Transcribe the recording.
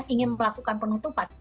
ingin melakukan penutupan